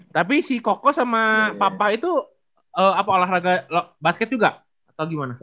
tapi si koko sama papa itu olahraga basket juga atau gimana